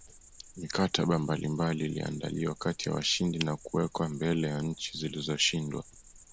Mikataba mbalimbali iliandaliwa kati ya washindi na kuwekwa mbele ya nchi zilizoshindwa